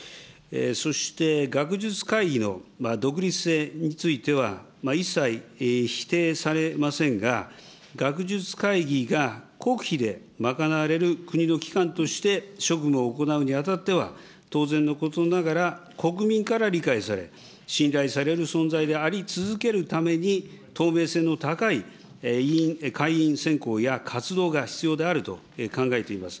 そして学術会議の独立性については、一切、否定されませんが、学術会議が国費で賄われる国の機関として職務を行うにあたっては、当然のことながら、国民から理解され、信頼される存在であり続けるために、透明性の高い会員選考や活動が必要であると考えております。